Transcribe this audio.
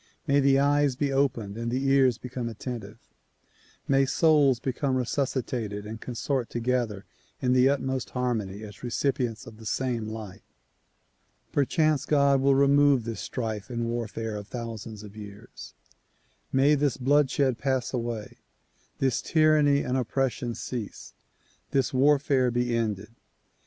May the eyes be opened and the ears become attentive ; may souls become resuscitated and con sort together in the utmost harmony as recipients of the same light. Perchance God will remove this strife and warfare of thousands of years. ]\Iay this bloodshed pass away, this tyranny and oppression cease, this warfare be ended.